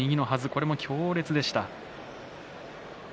これも強烈でした。